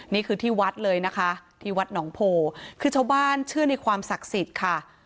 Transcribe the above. นี่คือที่วัดเลยนะคะที่วัดหนองโพคือชาวบ้านเชื่อในความศักดิ์สิทธิ์ค่ะ